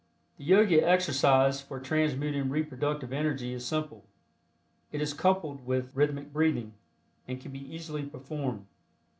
The Yogi exercise for transmuting reproductive energy is simple. It is coupled with rhythmic breathing, and can be easily performed.